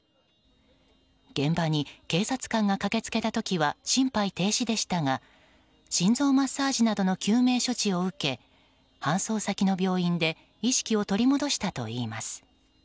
現場に警察官が駆けつけた時は心肺停止でしたが心臓マッサージなどの救命措置を受け搬送先の病院で意識を取り戻したといいます。